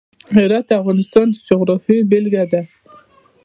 هرات د افغانستان د جغرافیې بېلګه ده.